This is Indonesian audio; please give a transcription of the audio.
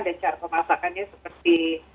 dan cara pemasakannya seperti